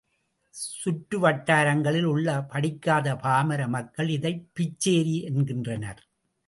சுற்று வட்டாரங்களில் உள்ள படிக்காத பாமர மக்கள் இதைப் பிச்சேரி என்கின்றனர்.